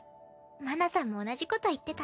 麻奈さんも同じこと言ってた。